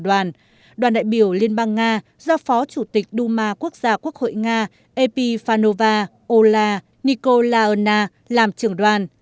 đoàn đại biểu liên bang nga do phó chủ tịch đu ma quốc gia quốc hội nga epi fanova ola nikolaona làm trưởng đoàn